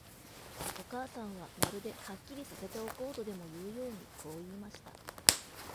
お母さんは、まるで、はっきりさせておこうとでもいうように、こう言いました。